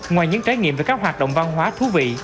ngoài những trải nghiệm về các hoạt động văn hóa thú vị